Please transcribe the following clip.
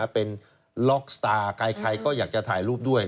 เป็นล็อกสตาร์ใครก็อยากจะถ่ายรูปด้วย